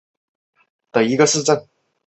黑尔布斯泰因是德国黑森州的一个市镇。